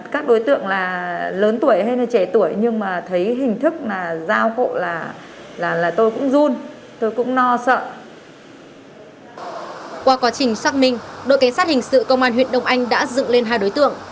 qua quá trình xác minh đội cảnh sát hình sự công an huyện đông anh đã dựng lên hai đối tượng